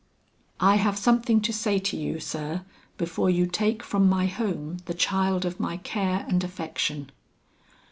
"I have something to say to you, sir, before you take from my home the child of my care and affection."